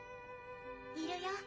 いるよ